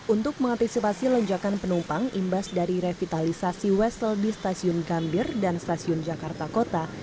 untuk mengantisipasi lonjakan penumpang imbas dari revitalisasi westle di stasiun gambir dan stasiun jakarta kota